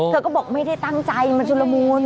เธอก็บอกไม่ได้ตั้งใจมันชุดละมุน